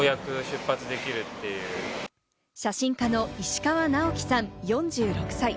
写真家の石川直樹さん、４６歳。